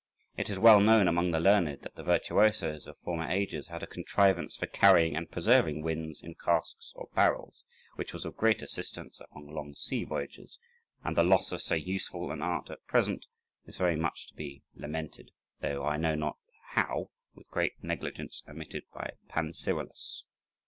It is well known among the learned that the virtuosos of former ages had a contrivance for carrying and preserving winds in casks or barrels, which was of great assistance upon long sea voyages, and the loss of so useful an art at present is very much to be lamented, though, I know not how, with great negligence omitted by Pancirollus.